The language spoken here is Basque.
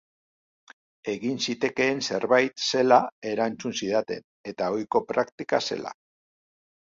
Egin zitekeen zerbait zela erantzun zidaten, eta ohiko praktika zela.